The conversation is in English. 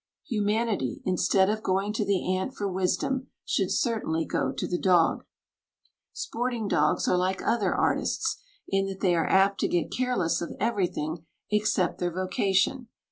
Humanity, instead of going to the ant for wisdom, should certainly go to the dog. Sporting dogs are like other artists, in that they are apt to get careless of everything except their vocation.